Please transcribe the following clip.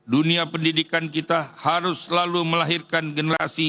dunia pendidikan kita harus selalu melahirkan generasi